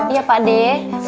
ya pakde ustadz